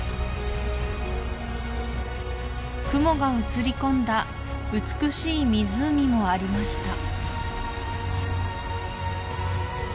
雲が映り込んだ美しい湖もありました